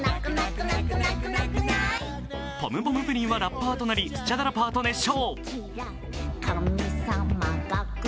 ポムポムプリンはラッパーとなりスチャダラパーと熱唱。